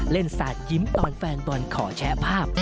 สาดยิ้มตอนแฟนบอลขอแชร์ภาพ